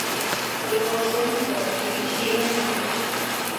Ryguasúniko imichĩve.